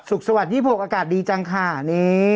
สุขสวัสดีพวกอากาศดีจังค่ะนี่